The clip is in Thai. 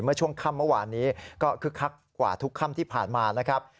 เมื่อช่วงค่ำเมื่อวานนี้ก็คึกคักกว่าทุกค่ำที่ผ่านมานะครับ